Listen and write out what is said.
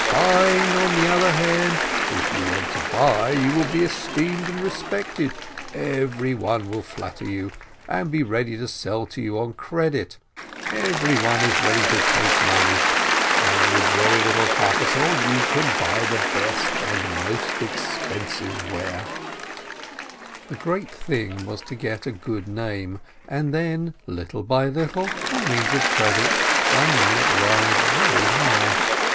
Buying, on the other hand — if you want to buy, you will be esteemed and respected, everyone will flatter you, and be ready to sell to you on credit — every one is ready to take money, and with very little capital you can buy the best and most expensive ware." The great thing was to get a good name, and then, little by little, by means of credit, one might rise very high.